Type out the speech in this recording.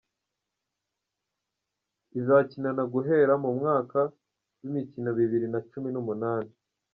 izakinana guhera mu mwaka w’imikino bibiri na cumi n’umunani